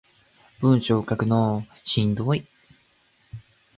文章書くのしんどい